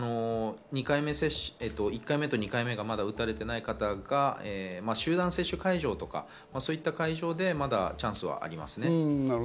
１回目と２回目、まだ打たれていない方が、集団接種会場とか、そういった会場でまだチャンスはありますね。